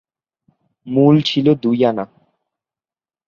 মূল্য ছিল দুই আনা।